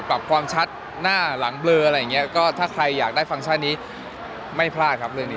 ปรับความชัดหน้าหลังเบลออะไรอย่างเงี้ยก็ถ้าใครอยากได้ฟังก์ชันนี้ไม่พลาดครับเรื่องนี้